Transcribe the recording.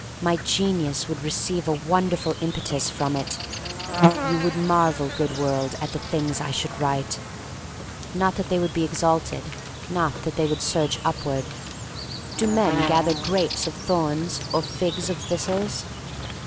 My genius would re ceive a wonderful impetus from it. You would marvel, good world, at the things I should write. Not that they would be exalted — not that they would surge upward. Do men gather grapes of thorns or figs of thistles?